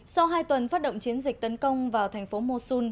sau hai tuần phát động chiến dịch tấn công vào thành phố mosun